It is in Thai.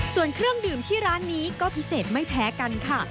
ส่วนเครื่องดื่มที่ร้านนี้ก็พิเศษไม่แพ้กันค่ะ